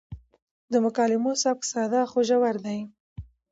د مکالمو سبک ساده خو ژور دی.